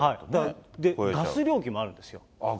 ガス料金もあるんです。